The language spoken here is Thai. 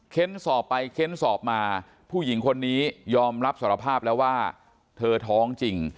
สอบไปเค้นสอบมาผู้หญิงคนนี้ยอมรับสารภาพแล้วว่าเธอท้องจริง